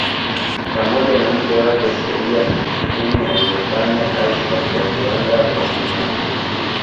pamoja na mke wake Celia Cuccittini aliefanya kazi katika viwanda vya sumaku